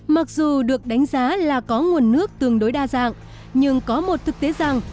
mặc dù được đánh giá là có nguồn nước tương đối đa dạng nhưng có một thực tế rằng